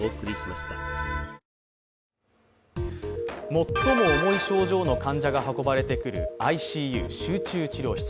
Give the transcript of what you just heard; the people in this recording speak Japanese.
最も重い症状の患者が運ばれてくるＩＣＵ＝集中治療室。